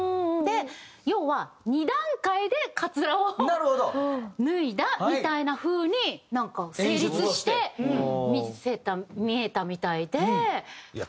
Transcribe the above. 要は２段階でカツラを脱いだみたいな風に成立して見えたみたいで。